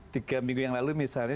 tiga minggu yang lalu misalnya